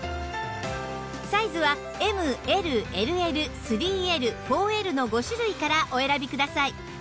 サイズは ＭＬＬＬ３Ｌ４Ｌ の５種類からお選びください